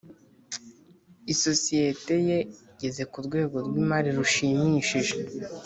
Isosiyete ye igeze ku rwego rw’imari rushimishije